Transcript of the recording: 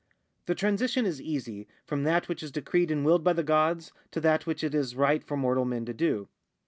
The transition is easy from that which is decreed and willed by the gods, to that which it is right for mortal men to do.